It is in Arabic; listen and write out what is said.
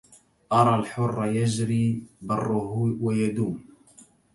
أرى الحر يجري بره ويدوم